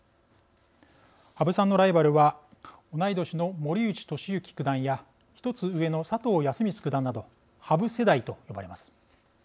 羽生さんのライバルは同い年の森内俊之九段や１つ上の佐藤康光九段など羽生世代と呼ばれます。